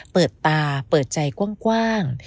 เปิดตาเปิดใจกว้าง